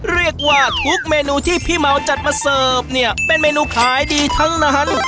เรียกว่าทุกเมนูที่พี่เมาจัดมาเสิร์ฟเนี่ยเป็นเมนูขายดีทั้งนั้น